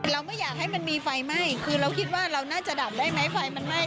เราไม่อยากให้มันมีไฟไหม้คือเราคิดว่าเราน่าจะดับได้ไหมไฟมันไหม้